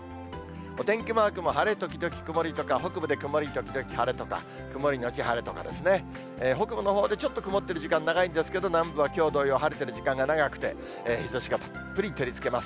お天気マークも晴れ時々曇りとか、北部で曇り時々晴れとか、曇り後晴れとかですね、北部のほうでちょっと曇ってる時間長いんですけど、南部はきょう同様、晴れてる時間が長くて、日ざしがたっぷり照りつけます。